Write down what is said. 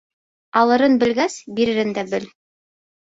Алырын белгәс, биререн дә бел.